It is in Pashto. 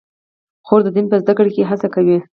خور د دین په زده کړه کې هڅه کوي.